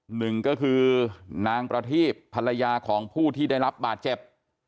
หนึ่งก็คือนางประทีบภรรยาของผู้ที่ได้รับบาดเจ็บ